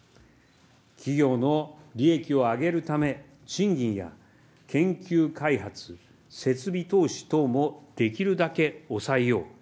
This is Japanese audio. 企業の利益を上げるため、賃金や研究開発・設備投資等もできるだけ抑えよう。